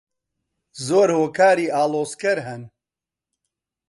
زۆر هۆکاری ئاڵۆزکەر هەن.